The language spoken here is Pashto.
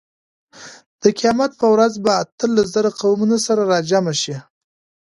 د قیامت په ورځ به اتلس زره قومونه سره راجمع شي.